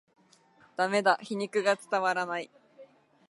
ダメだ、皮肉が伝わらない